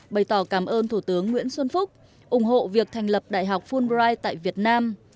bày tỏ cảm ơn thủ tướng nguyễn xuân phúc ủng hộ việc thành lập đại học fulbright tại việt nam